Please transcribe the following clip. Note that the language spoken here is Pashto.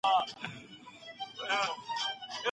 د ماڼۍ خلګ بېغيرته نه دي .